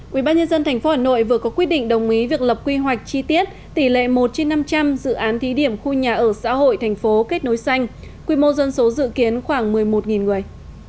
quý bác nhân dân thành phố hà nội vừa có quyết định đồng ý việc lập quy hoạch chi tiết tỷ lệ một trên năm trăm linh dự án thí điểm khu nhà ở xã hội thành phố kết nối xanh quy mô dân số dự kiến khoảng một mươi một người